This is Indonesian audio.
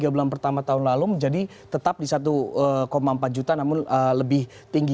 tiga bulan pertama tahun lalu menjadi tetap di satu empat juta namun lebih tinggi